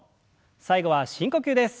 最後は深呼吸です。